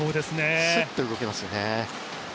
スッと動きますよね。